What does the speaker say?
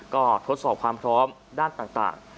ก็ทดสอบความพร้อมด้านต่าง